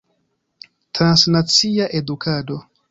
Transnacia edukado.